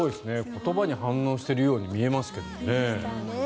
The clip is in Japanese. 言葉に反応しているように見えますけどね。